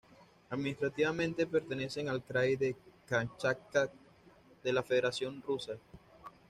Administrativamente pertenecen al krai de Kamchatka de la Federación de Rusia.